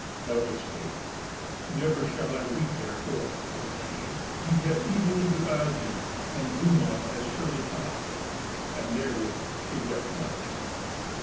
Helga spake: "Never shall I weep therefor," quoth she; "ye have evilly beguiled me, and Gunnlaug has surely come out." And therewith she wept much.